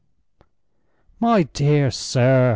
"My dear sir!"